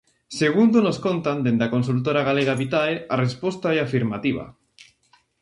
Segundo nos contan dende a consultora galega Vitae, a resposta é afirmativa.